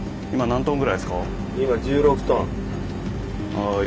はい。